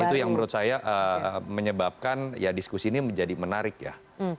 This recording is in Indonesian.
itu yang menurut saya menyebabkan ya diskusi ini menjadi menarik ya